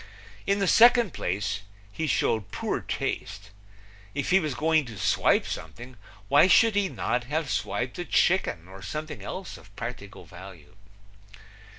In the second place, he showed poor taste. If he was going to swipe something, why should he not have swiped a chicken or something else of practical value?